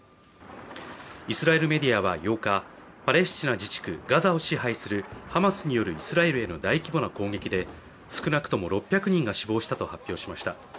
イスラエルメディアは８日パレスチナ自治区ガザを攻撃するハマスによるイスラエルへの大規模な攻撃で、少なくとも６００人が死亡したと発表しました。